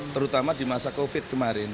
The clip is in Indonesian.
terutama di masa covid kemarin